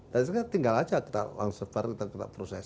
dan itu tinggal saja kita langsung sebar kita proses